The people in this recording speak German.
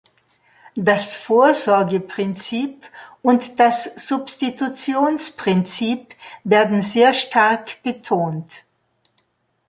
Das Vorsorgeprinzip und das Substitutionsprinzip werden sehr stark betont.